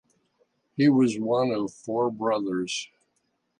He was one of four brothers.